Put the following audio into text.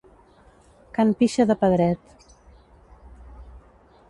Can Pixa de Pedret.